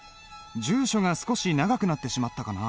住所が少し長くなってしまったかな？